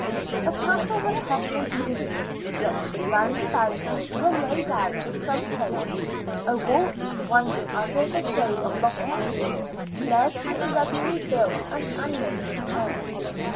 The castle was heavy and gloomy, yet the grounds about it were laid out with some taste; a walk, winding under the shade of lofty trees, led to a regularly built and animated town.